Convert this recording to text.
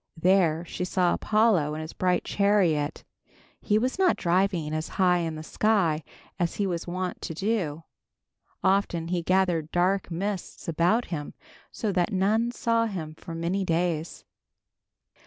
There she saw Apollo in his bright chariot. He was not driving as high in the sky as he was wont to do. Often he gathered dark mists about him so that none saw him for many days.